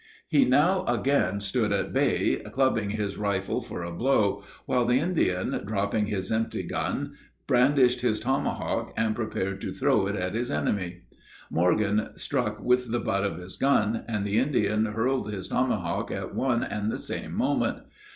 He now again stood at bay, clubbing his rifle for a blow, while the Indian, dropping his empty gun, brandished his tomahawk and prepared to throw it at his enemy. Morgan struck with the butt of his gun, and the Indian hurled his tomahawk at one and the same moment.